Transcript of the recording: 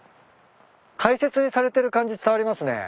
大切にされてる感じ伝わりますね。